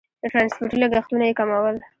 د ټرانسپورتي لګښتونه یې کمول.